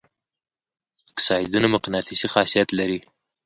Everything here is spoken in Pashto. اکسایدونه مقناطیسي خاصیت لري.